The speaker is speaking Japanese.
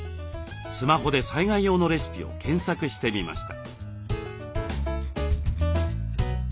スマホで災害用のレシピを検索してみました。